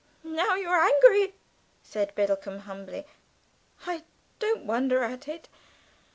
"Now you're angry," said Biddlecomb humbly; "I don't wonder at it.